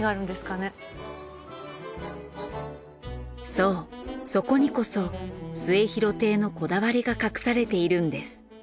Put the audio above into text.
そうそこにこそ『末廣亭』のこだわりが隠されているんです。